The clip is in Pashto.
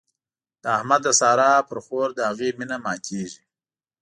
د احمد د سارا پر خور د هغې مينه ماتېږي.